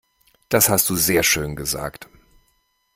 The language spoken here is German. Das hast du sehr schön gesagt.